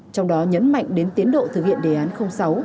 trong đó nhấn mạnh đến tiến độ thực hiện đề án sáu